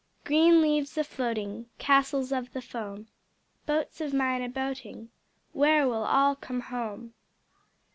Green leaves a floating, Castles of the foam, Boats of mine a boating— Where will all come home?